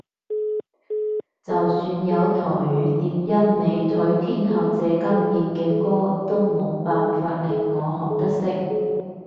就算有台語電音美腿天后謝金燕嘅歌都冇辦法令我學得識